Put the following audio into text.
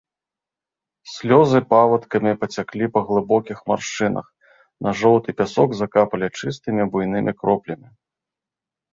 Слёзы павадкамі пацяклі па глыбокіх маршчынах, на жоўты пясок закапалі чыстымі, буйнымі кроплямі.